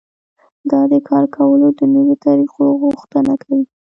دا د کار کولو د نويو طريقو غوښتنه کوي.